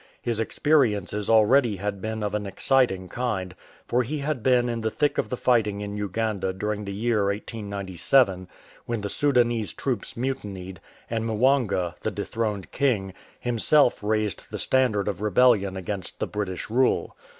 His experiences already had been of an exciting kind, for he had been in the thick of the fighting in Uganda during the year 1897, when the Soudanese troops mutinied, and Mwanga, the dethroned king, himself raised the standard of rebellion against the British rule.